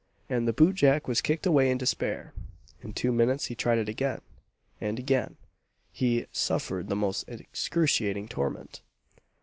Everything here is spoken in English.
and the boot jack was kicked away in despair. In two minutes he tried it again and again he suffered the most excruciating torment.